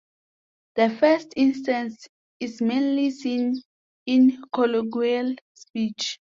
The first instance is mainly seen in colloquial speech.